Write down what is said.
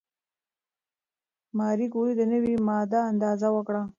ماري کوري د نوې ماده اندازه وکړه.